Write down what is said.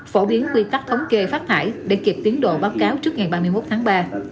phổ biến quy tắc thống kê phát thải để kịp tiến độ báo cáo trước ngày ba mươi một tháng ba